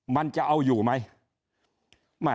มันจะเอาอยู่ไหม